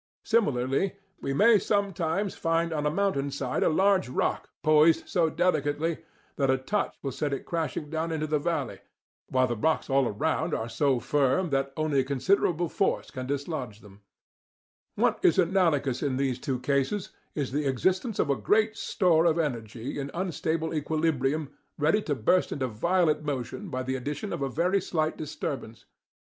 Similarly, you may sometimes find on a mountain side a large rock poised so delicately that a touch will set it crashing down into the valley, while the rocks all round are so firm that only a considerable force can dislodge them What is analogous in these two cases is the existence of a great store of energy in unstable equilibrium ready to burst into violent motion by the addition of a very slight disturbance.